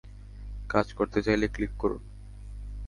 কাজ করতে চাইলে ক্লিক করুন।